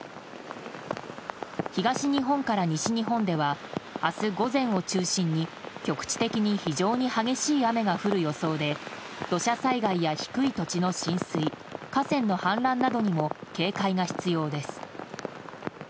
東日本から西日本では明日午前を中心に局地的に非常に激しい雨が降る予想で土砂災害や低い土地の浸水河川の氾濫などにも警戒が必要です。